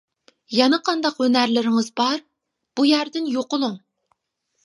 -يەنە قانداق ھۈنەرلىرىڭىز بار؟ -بۇ يەردىن يوقىلىڭ.